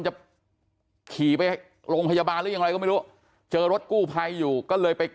จะขี่ไปโรงพยาบาลหรือยังอะไรก็ไม่รู้เจอรถกู้ภัยอยู่ก็เลยไป